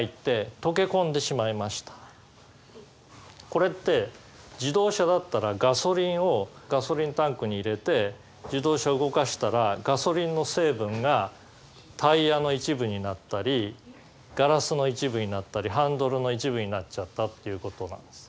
これって自動車だったらガソリンをガソリンタンクに入れて自動車動かしたらガソリンの成分がタイヤの一部になったりガラスの一部になったりハンドルの一部になっちゃったということなんです。